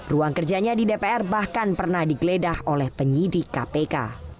ruang kerjanya di dpr bahkan pernah digeledah oleh penyidik kpk